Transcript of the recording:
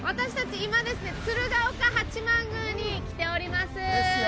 今鶴岡八幡宮に来ています。